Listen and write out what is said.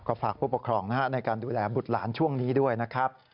ก็ฝากผู้ปกครองในการดูแลบุตรหลานช่วงนี้ด้วยนะครับ